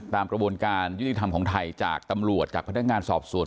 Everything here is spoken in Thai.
ตามกระบวนการยุติธรรมของไทยจากตำรวจจากพนักงานสอบสวน